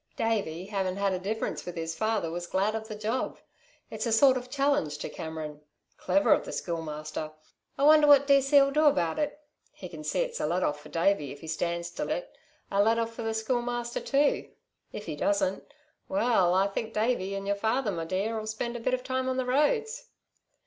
Davey havin' had a difference with his father was glad of the job; it's a sort of challenge to Cameron. Clever of the Schoolmaster! I wonder what D.C.'ll do about it He can see it's a let off for Davey, if he stands to it, a let off for the Schoolmaster too. If he doesn't well, I think Davey, 'n your father, my dear, 'll spend a bit of time on the roads.